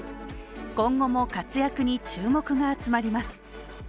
今後も活躍に注目が集まります。